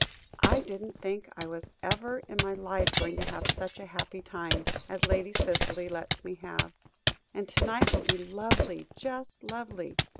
"I didn't think I was ever in my life going to have such a happy time, as Lady Cicely lets me have, and to night will be lovely, just lovely.